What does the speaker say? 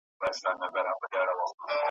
نو خورا شاعرانه کلمات ,